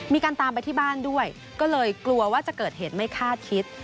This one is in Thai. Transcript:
มีการตามไปที่บ้านด้วยก็เลยกลัวว่าจะเกิดเหตุไม่คาดคิด